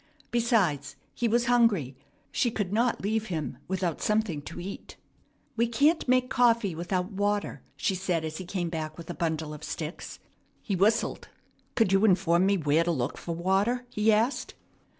Besides, he was hungry. She could not leave him without something to eat. "We can't make coffee without water," she said as he came back with a bundle of sticks. He whistled. "Could you inform me where to look for water?" he asked.